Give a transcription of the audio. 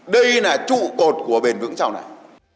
đây là trụ cột của bền vững sau này